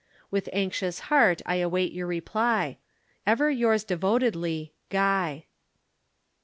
With anxious heart I await your reply. "'Ever yours devotedly, "'GUY.'